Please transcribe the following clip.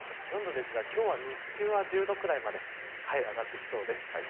４度ですが、今日は日中は１０度くらいまで上がってきそうです。